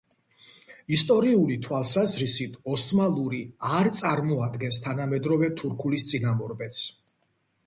ისტორიული თვალსაზრისით ოსმალური არ წარმოადგენს თანამედროვე თურქულის წინამორბედს.